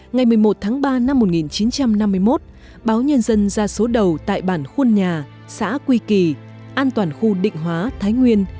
ngày một mươi một tháng ba năm một nghìn chín trăm năm mươi một báo nhân dân ra số đầu tại bản khuôn nhà xã quy kỳ an toàn khu định hóa thái nguyên